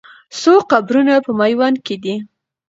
څو قبرونه په میوند کې دي؟